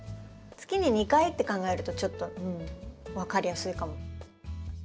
月に２回って考えるとちょっとうん分かりやすいかも。